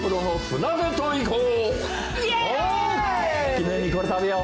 記念にこれ食べよ